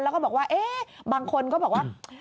แล้วก็บอกว่าบางคนก็บอกว่า